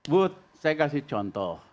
bu saya kasih contoh